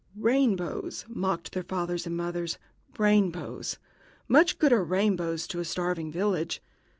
"Rainbows!" mocked their fathers and mothers "rainbows! Much good are rainbows to a starving village."